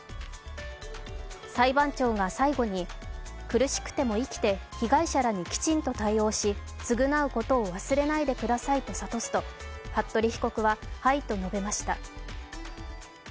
裁判長が最後に苦しくても生きて被害者らにきちんと対応し、償うことを忘れないでくださいと諭すと服部被告は、はいと述べました。